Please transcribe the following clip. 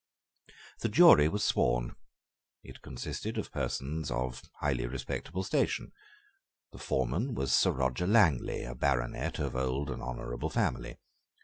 The jury was sworn; it consisted of persons of highly respectable station. The foreman was Sir Roger Langley, a baronet of old and honourable family.